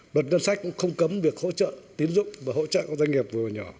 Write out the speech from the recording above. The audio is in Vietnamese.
luật ngân sách cũng không cấm việc hỗ trợ tín dụng và hỗ trợ doanh nghiệp vừa và nhỏ